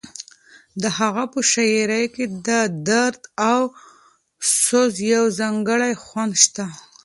د هغه په شاعرۍ کې د درد او سوز یو ځانګړی خوند شته.